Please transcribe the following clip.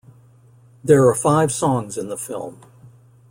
There are five songs in the film.